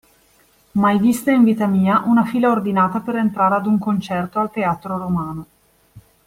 Mai vista in vita mia una fila ordinata per entrare ad un concerto al teatro romano.